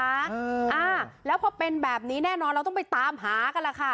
อ่าแล้วพอเป็นแบบนี้แน่นอนเราต้องไปตามหากันล่ะค่ะ